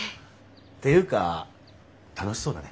ていうか楽しそうだね。